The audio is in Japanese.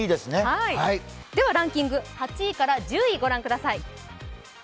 ではランキング、８位から１０位御覧ください。